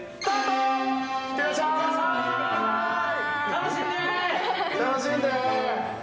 楽しんで！